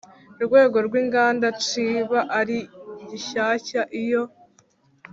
Rwego rw inganda ciba ari gishyashya iyo